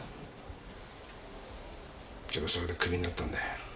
けどそれでクビになったんだよ。